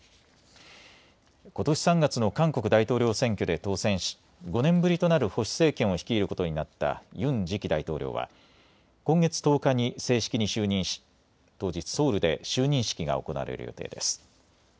ことし３月の韓国大統領選挙で当選し５年ぶりとなる保守政権を率いることになったユン次期大統領は今月１０日に正式に就任し、当日、ソウルで就任式が行われる予定です。